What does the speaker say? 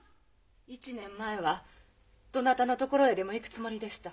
１年前はどなたのところへでも行くつもりでした。